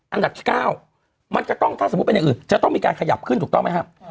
อันดับที่๙มันจะต้องถ้าสมมุติเป็นอย่างอื่นจะต้องมีการขยับขึ้นถูกต้องไหมครับ